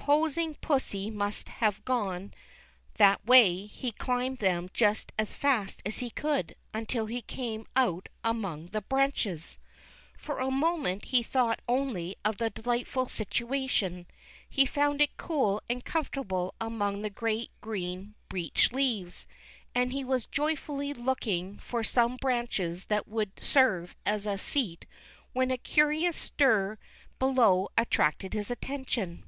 posing pussy must have gone that way, he climberl them just as fast as he could, until he came out among the branches. 358 THE CHILDREN'S WONDER BOOK. For a inoinent he thought only of the delightful situation. He found it cool and comfortable among the great green beech leaves, and he was joyfully look ing for some branches that would serve as a seat when a curious stir below attracted his attention.